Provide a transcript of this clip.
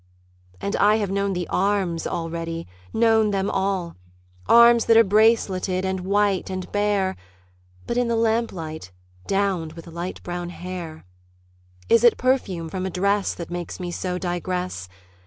And I have known the arms already, known them all Arms that are braceleted and white and bare (But in the lamplight, downed with light brown hair!) Is it perfume from a dress That makes me so digress?